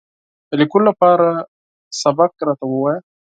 د لیکلو دپاره درس راته ووایه !